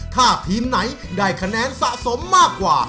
ถ้าทีมไหนได้คะแนนสะสมมากกว่า